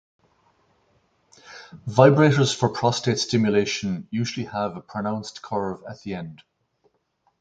Vibrators for prostate stimulation usually have a pronounced curve at the end.